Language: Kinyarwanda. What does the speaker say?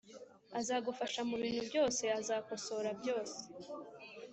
azagufasha mubintu byose, azakosora byose